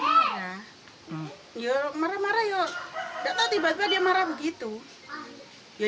untuk mendatangi bayang siapunya bagong dikehendaki sutisten